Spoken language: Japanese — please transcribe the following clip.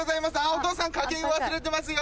お父さん掛け湯忘れてますよ